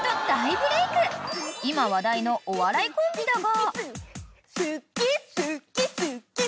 ［今話題のお笑いコンビだが］